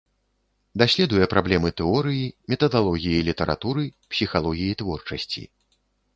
Даследуе праблемы тэорыі, метадалогіі літаратуры, псіхалогіі творчасці.